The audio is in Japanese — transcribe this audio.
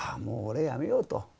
もう俺やめようと。